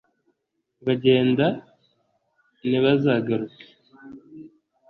bagenda ntibazagaruke